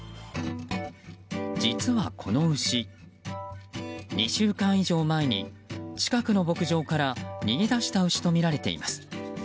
実はこの牛、２週間以上前に近くの牧場から逃げ出した牛とみられています。